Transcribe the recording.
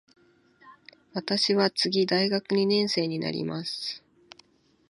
私は次大学二年生になります。